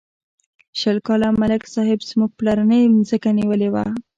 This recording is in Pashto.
شل کاله ملک صاحب زموږ پلرنۍ ځمکه نیولې وه.